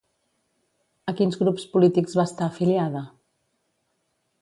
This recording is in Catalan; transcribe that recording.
A quins grups polítics va estar afiliada?